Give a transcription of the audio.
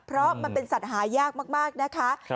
เพราะมันเป็นสัตว์หายากมากนะคะ